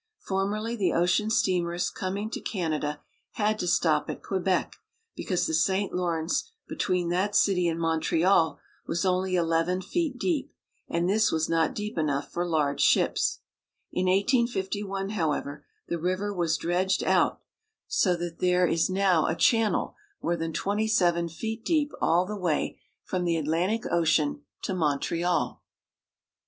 Formerly the ocean steamers com ing to Canada had to stop at Quebec, because the St. Lawrence between that city and Montreal was only eleven feet deep, and this was not deep enough for large ships. In 185 1, however, the river was dredged out, so that there 322 BRITISH AMERICA. Wharves at Montreal. is now a channel more than twenty seven feet deep all the way from the Atlantic Ocean to Montreal.